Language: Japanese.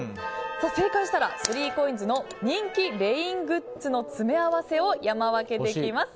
正解したら３ＣＯＩＮＳの人気レイングッズの詰め合わせを山分けできます。